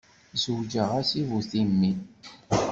Zewǧeɣ-as i bu timmi.